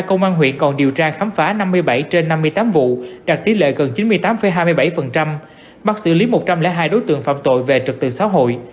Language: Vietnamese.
công an huyện còn điều tra hai mươi bảy bắt xử lý một trăm linh hai đối tượng phạm tội về trực tượng xã hội